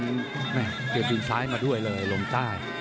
แม่เตรียมดินซ้ายมาด้วยเลยลมใต้